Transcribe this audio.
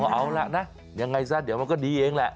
เอาล่ะนะยังไงซะเดี๋ยวมันก็ดีเองแหละ